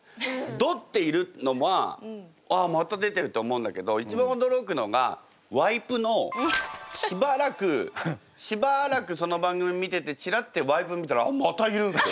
ドッているのはあまた出てるって思うんだけど一番驚くのがワイプのしばらくしばらくその番組見ててちらってワイプ見たらあっまたいるって。